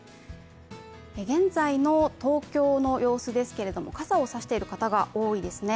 現在の東京の様子ですけれども、傘を差している方が多いですね。